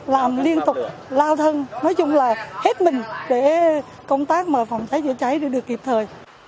làm liên tục lao thân nói chung là hết mình để công tác mà phòng cháy chữa cháy được kịp thời